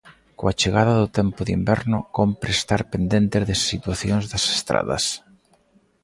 Coa chegada do tempo de inverno, cómpre estar pendentes da situacións das estradas.